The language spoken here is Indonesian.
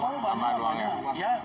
oh banyak banyak